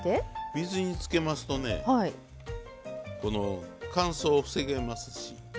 水につけますとね乾燥を防げますし。